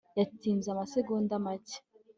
Yatinze amasegonda make